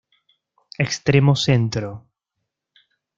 Extremo Centro".